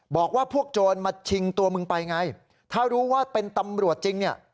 บอกว่าพวกโจรมาชิงตัวมึงไปไงถ้ารู้ว่าเป็นตำรวจจริงเนี่ย